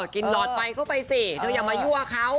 หลอดไฟเข้าไปสิเธออย่ามายั่วเขา